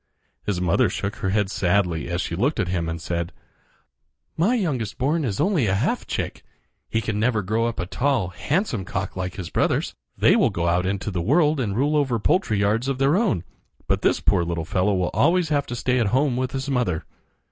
His mother shook her head sadly as she looked at him and said: "My youngest born is only a half chick. He can never grow up a tall, handsome cock like his brothers. They will go out into the world and rule over poultry yards of their own; but this poor little fellow will always have to stay at home with his mother."